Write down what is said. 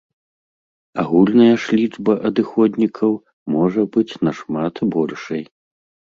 Агульная ж лічба адыходнікаў можа быць нашмат большай.